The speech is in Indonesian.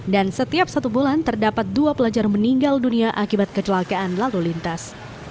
dan setiap satu bulan terdapat dua pelajar meninggal dunia akibat kecelakaan lalu lintas